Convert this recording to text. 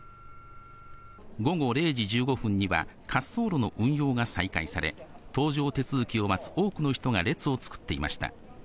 午後０時１５分には滑走路の運用が再開され、搭乗手続きを待つ多くの人が列を作っていました。